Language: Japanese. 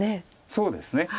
そうですね。